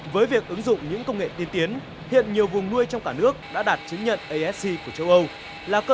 với việc ứng dụng những công nghệ tiên tiến hiện nhiều vùng nuôi trong cả nước đã đạt chứng nhận asc của châu âu là cơ